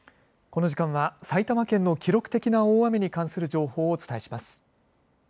この時間は埼玉県の記録的な大雨に関する情報をお伝えします。